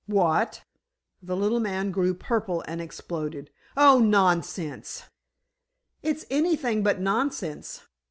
"What?" the little man grew purple and exploded. "Oh, nonsense!" "It's anything but nonsense."